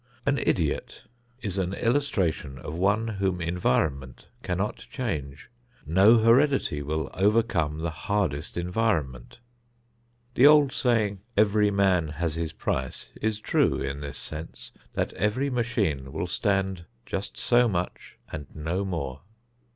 An idiot is an illustration of one whom environment cannot change. No heredity will overcome the hardest environment. The old saying, "every man has his price," is true in this sense, that every machine will stand just so much and no more.